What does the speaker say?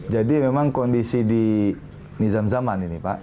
jadi memang kondisi di nizam zaman ini pak